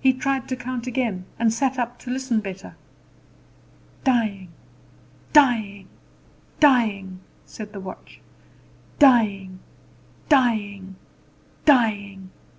He tried to count again, and sat up to listen better. "Dying, dying, dying!" said the watch; "dying, dying, dying!"